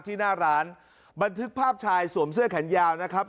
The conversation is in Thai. หน้าร้านบันทึกภาพชายสวมเสื้อแขนยาวนะครับ